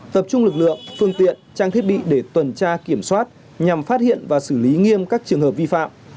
tập trung lực lượng phương tiện trang thiết bị để tuần tra kiểm soát nhằm phát hiện và xử lý nghiêm các trường hợp vi phạm